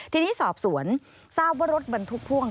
ทีนี้สอบสวนทราบว่ารถบรรทุกพ่วง